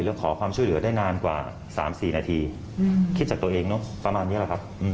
แล้วขอความช่วยเหลือได้นานกว่า๓๔นาทีคิดจากตัวเองเนอะประมาณนี้แหละครับ